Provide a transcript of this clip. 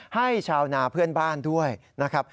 ชาวนาเพื่อนบ้านด้วยนะครับ